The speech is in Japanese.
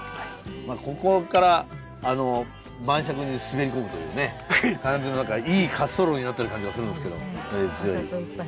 ここから晩酌に滑り込むというね感じのいい滑走路になってる感じがするんですけども。